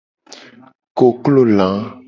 Koklo la.